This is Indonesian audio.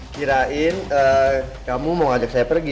kirain kamu mau ngajak saya pergi